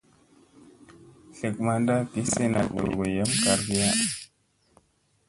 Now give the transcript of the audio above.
Tlek manda gi sena doogo yam kargiya.